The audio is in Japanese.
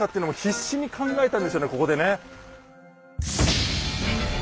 ここでね。